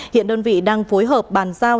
hiện đơn vị đang phối hợp bàn giao